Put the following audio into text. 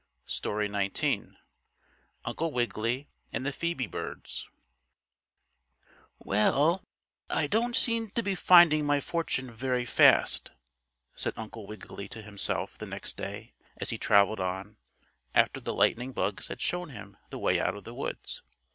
STORY XIX UNCLE WIGGILY AND THE PHOEBE BIRDS "Well, I don't seem to be finding my fortune very fast," said Uncle Wiggily to himself the next day, as he traveled on, after the lightning bugs had shown him the way out of the woods.